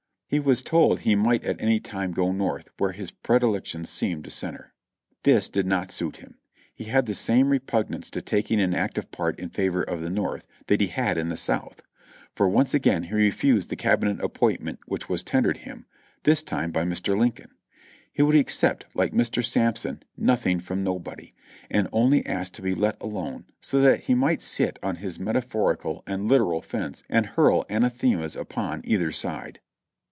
He was told he might at any time go North, where his pre dilections seemed to center. This did not suit him; he had the same repugnance to taking an active part in favor of the North that he had in the South; for once again he refused the Cabinet appointment which was tendered him, this time by Mr. Lincoln. He would accept, like Ivlr. Sampson, "nothing from nobody," and only asked to be let alone so that he might sit on his metaphorical and literal fence and hurl anathemas upoil either side.